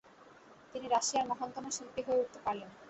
তিনি রাশিয়ার মহানতম শিল্পী হয়ে উঠতে পারলেন।